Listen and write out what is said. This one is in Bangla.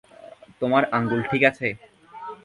তোমার আঙুল ঠিক আছে?